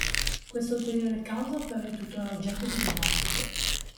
Questa ulteriore causa però è tuttora oggetto di dibattito.